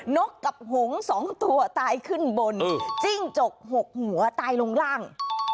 นกกับหง๒ตัวตายขึ้นบนจิ้งจก๖หัวตายลงล่าง